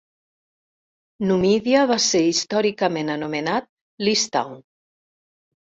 Numidia va ser històricament anomenat "Leestown".